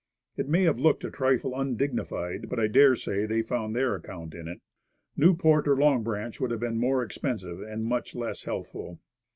It may have looked a trifle undignified, but I dare say they found their G. W. HATCHET. account in it. Newport or Long Branch would have been more expensive, and much less healthful.